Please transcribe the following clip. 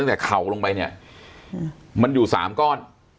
ตั้งแต่เข่าลงไปเนี้ยอืมมันอยู่สามก้อน